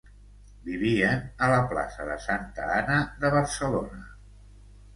Vivien a la plaça de Santa Anna de Barcelona.